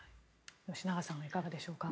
吉永さんはいかがでしょうか。